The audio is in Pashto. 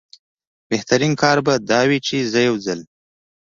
بهترین کار به دا وي چې زه یو ځل.